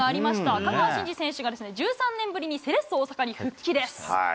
香川真司選手が１３年ぶりにセレッソ大阪に復帰です。